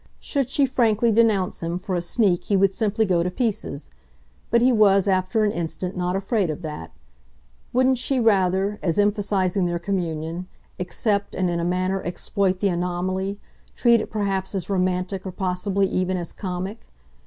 Should she frankly denounce him for a sneak he would simply go to pieces; but he was, after an instant, not afraid of that. Wouldn't she rather, as emphasising their communion, accept and in a manner exploit the anomaly, treat it perhaps as romantic or possibly even as comic?